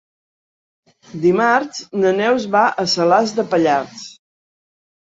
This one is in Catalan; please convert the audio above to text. Dimarts na Neus va a Salàs de Pallars.